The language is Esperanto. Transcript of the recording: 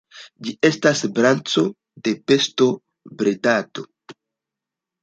Ĝi estas branĉo de bestobredado.